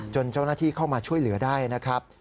เจ้าหน้าที่เข้ามาช่วยเหลือได้นะครับ